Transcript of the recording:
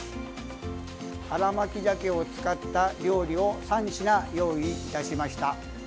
新巻鮭を使った料理を３品用意いたしました。